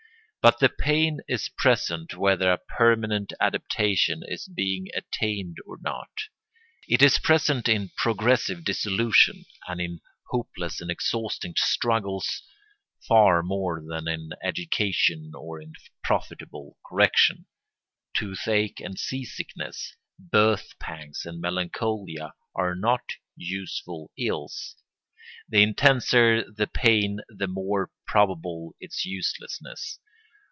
But the pain is present whether a permanent adaptation is being attained or not. It is present in progressive dissolution and in hopeless and exhausting struggles far more than in education or in profitable correction. Toothache and sea sickness, birth pangs and melancholia are not useful ills. The intenser the pain the more probable its uselessness.